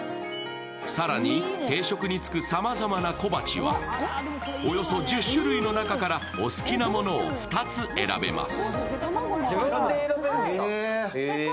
更に定食につくさまざまな小鉢はおよそ１０種類の中からお好きなものを２つ選べます。